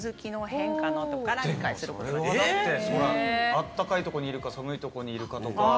暖かいとこにいるか寒いとこにいるかとか。